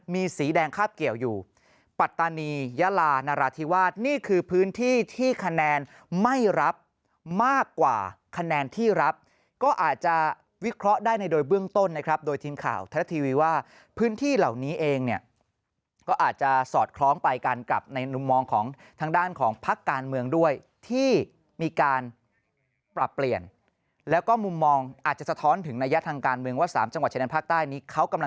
มียาลานราธิวาสนี่คือพื้นที่ที่คะแนนไม่รับมากกว่าคะแนนที่รับก็อาจจะวิเคราะห์ได้ในโดยเบื้องต้นนะครับโดยทีมข่าวทัศน์ทีวีว่าพื้นที่เหล่านี้เองเนี่ยก็อาจจะสอดคล้องไปกันกับในมุมมองของทางด้านของภาคการเมืองด้วยที่มีการปรับเปลี่ยนแล้วก็มุมมองอาจจะสะท้อนถึงนัยทางการเมืองว่า